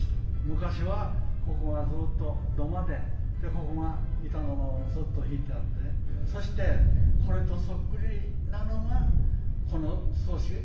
昔はここがずっと土間でここが板の間をずっと敷いてあってそしてこれとそっくりなのがこの少し向こうにあるろうそく屋さん。